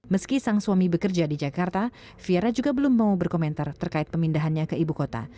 meski sang suami bekerja di jakarta viera juga belum mau berkomentar terkait pemindahannya ke ibu kota